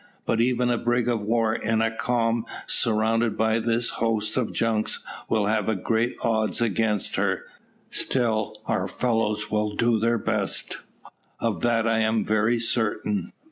"But even a brig of war in a calm, surrounded by this host of junks, will have great odds against her; still, our fellows will do their best of that I am very certain."